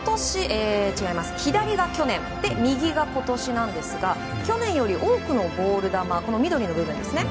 左が去年、右が今年なんですが去年より多くのボール球を緑の部分ですね